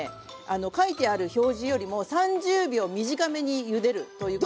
書いてある表示よりも３０秒短めにゆでるということを。